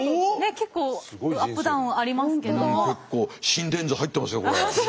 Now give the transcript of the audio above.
結構心電図入ってますよこれ。